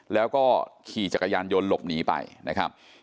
แล้วก็ขี่จักรยานยนต์หลบหนีไปนะครับ